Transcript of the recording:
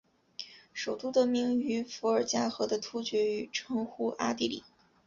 首都得名于伏尔加河的突厥语称呼阿的里。